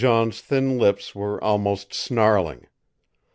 Jean's thin lips were almost snarling.